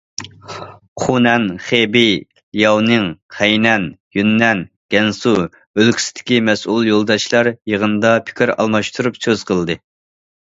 خۇنەن، خېبېي، لياۋنىڭ، خەينەن، يۈننەن، گەنسۇ ئۆلكىسىدىكى مەسئۇل يولداشلار يىغىندا پىكىر ئالماشتۇرۇپ سۆز قىلدى.